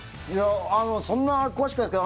そんな詳しくないですけど